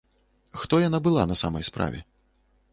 Хто яна была на самай справе?